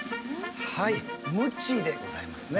ムチでございますね。